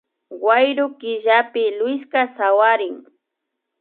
Wayru killapimi Luiska sawarin